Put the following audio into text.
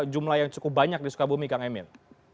jumlah yang cukup banyak di sukabumi kang emil